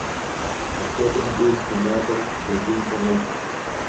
Апхуэдэм деж тэмакъыр бэгынкӏэ мэхъу.